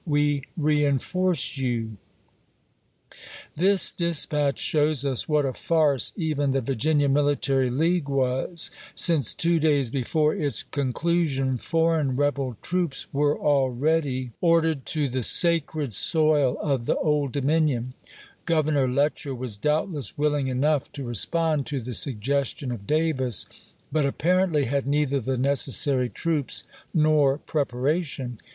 We II., p. 773. ' reenf orce you. This dispatch shows us what a farce even the Virginia military league was, since two days before its conclusion " foreign " rebel troops were already UENEKAL KOBEKT E. LEE. REBELLIOUS MARYLAND 161 VIII. ordered to the " sacred soil " of the Old Dominion, chai Groveruor Letcher was doubtless willing enough to respond to the suggestion of Davis, but apparently had neither the necessary troops nor preparation.